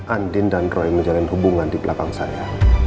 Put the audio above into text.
andin dan roy menjalin hubungan di belakang saya